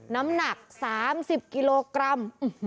น้ำหนัก๓๐กิโลกรัม